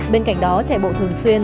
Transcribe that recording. bên cạnh đó chạy bộ thường xuyên